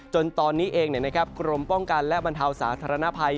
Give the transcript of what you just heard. จนตอนนี้เองเนี่ยครับกรมป้องกันและบรรทาวร์สาธารณภัย